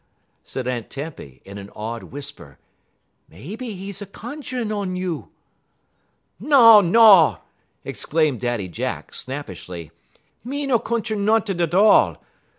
said Aunt Tempy, in an awed whisper, "maybe he's a cunju'n un you." "No no!" exclaimed Daddy Jack, snappishly, "me no cuncher no'n' 't all.